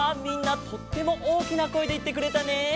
みんなとってもおおきなこえでいってくれたね。